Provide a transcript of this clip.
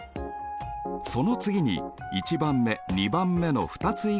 その次に１番目２番目の２つ以外の２通り。